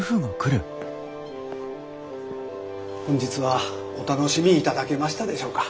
本日はお楽しみいただけましたでしょうか。